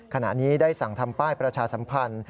ขณะนี้ได้สั่งทำป้ายประชาสัมพันธ์